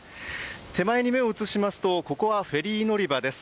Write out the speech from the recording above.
手前に目を移しますとここはフェリー乗り場です。